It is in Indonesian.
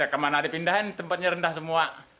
kemana dipindahin tempatnya rendah semua